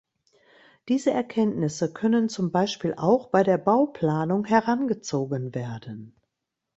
Diese Erkenntnisse können zum Beispiel auch bei der Bauplanung herangezogen werden.